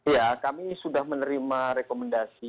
ya kami sudah menerima rekomendasi